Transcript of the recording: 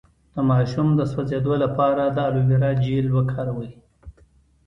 د ماشوم د سوځیدو لپاره د الوویرا جیل وکاروئ